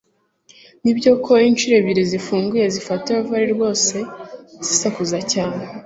nibyo ko inshuro ebyiri zifunguye zifata valve rwose zisakuza cyane